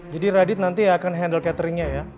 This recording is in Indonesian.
jadi radit nanti akan handle cateringnya ya